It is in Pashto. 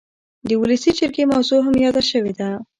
د ولسي جرګې موضوع هم یاده شوې ده.